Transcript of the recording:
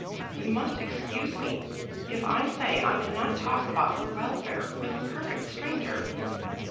You must excuse me if I say I cannot talk about her welfare with a perfect stranger."